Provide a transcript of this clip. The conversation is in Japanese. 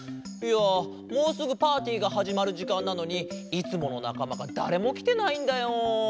いやもうすぐパーティーがはじまるじかんなのにいつものなかまがだれもきてないんだよ。